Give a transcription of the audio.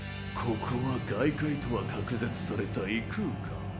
ここは外界とは隔絶された異空間。